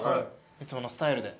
いつものスタイルで。